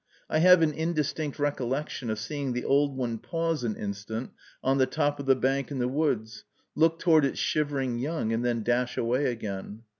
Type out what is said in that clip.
I have an indistinct recollection of seeing the old one pause an instant on the top of the bank in the woods, look toward its shivering young, and then dash away again.